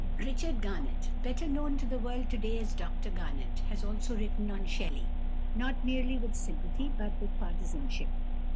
=Richard Garnett (1835 )=, better known to the world to day as Dr Garnett has also written on Shelley, not merely with sympathy but with partisanship.